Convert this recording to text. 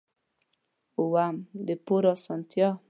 اووم: د پور اسانتیا.